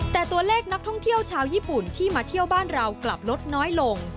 แต่ตัวเลขนักท่องเที่ยวชาวญี่ปุ่นที่มาเที่ยวบ้านเรากลับลดน้อยลง